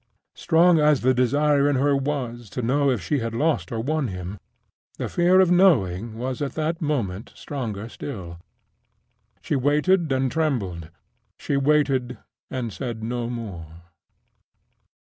Strong as the desire in her was to know if she had lost or won him, the fear of knowing was at that moment stronger still. She waited and trembled; she waited, and said no more.